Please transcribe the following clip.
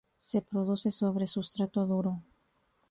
Se reproduce sobre sustrato duro.